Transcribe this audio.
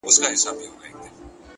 د ژوند کیفیت له فکره اغېزمنېږي